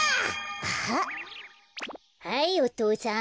あっはいお父さん。